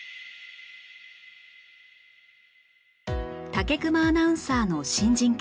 武隈アナウンサーの新人研修